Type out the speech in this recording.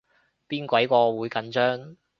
邊鬼個會緊張